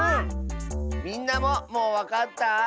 みんなももうわかった？